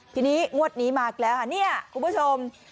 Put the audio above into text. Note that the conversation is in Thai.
ทีนี้งวดหนีมากแล้วนี่คุณผู้ชม